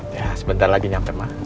ya sebentar lagi nyamper mak